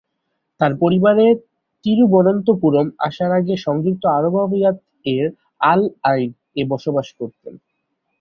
তার পরিবার তিরুবনন্তপুরম আসার আগে সংযুক্ত আরব আমিরাত এর "আল আইন"-এ বসবাস করতেন।